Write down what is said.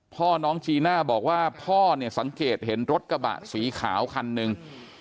พ่อน้องจีน่าบอกว่าพ่อเนี่ยสังเกตเห็นรถกระบะสีขาวคันหนึ่ง